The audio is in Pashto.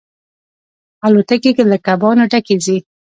الوتکې له کبانو ډکې ځي.